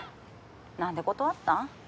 何で断ったん？